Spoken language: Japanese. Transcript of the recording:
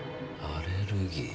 アレルギー。